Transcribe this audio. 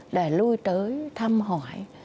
để lui tới thăm hỏi